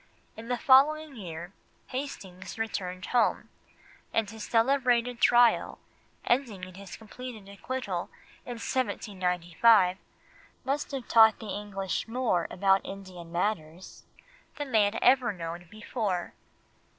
In the following year, Hastings had returned home, and his celebrated trial, ending in his complete acquittal in 1795, must have taught the English more about Indian matters than they had ever known before.